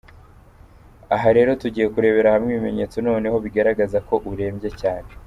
Aha rero tugiye kurebera hamwe ibimenyetso noneho bigaragaza ko urembye cyane.